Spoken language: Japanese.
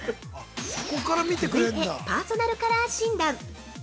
◆続いて、パーソナルカラー診断。